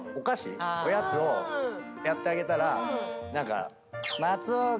「おやつをやってあげたら何か」